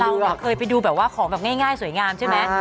เราเคยไปดูแบบว่าของแบบง่ายสวยงามใช่ไหม